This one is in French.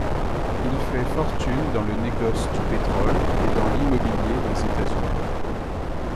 Il fait fortune dans le négoce du pétrole et dans l'Immobilier aux États-Unis.